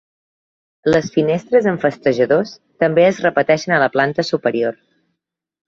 Les finestres amb festejadors també es repeteixen a la planta superior.